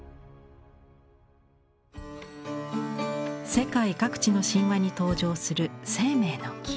世界各地の神話に登場する「生命の樹」。